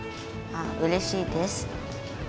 うれしいです。